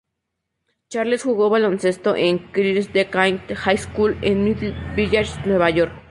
Charles jugó baloncesto en Christ the King High School en Middle Village, Nueva York.